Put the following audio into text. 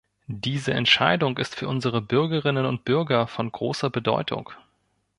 Diese Entscheidung ist für unsere Bürgerinnen und Bürger von großer Bedeutung.